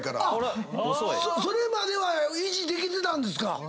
それまでは維持できてたんですか？